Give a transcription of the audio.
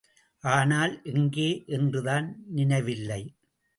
ஆனால், எங்கே என்றுதான் நினைவில்லை.